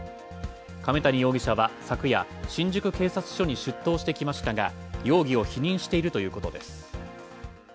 亀谷容疑者は昨夜、新宿警察署に出頭してきましたが容疑を否認しているということです。